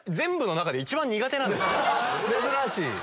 珍しい！